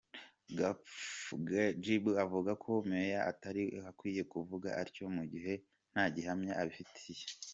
Gbaffou avuga ko meya atari akwiye kuvuga atyo mu gihe nta gihamya abifitiye.